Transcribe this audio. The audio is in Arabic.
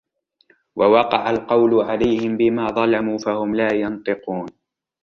ووقع القول عليهم بما ظلموا فهم لا ينطقون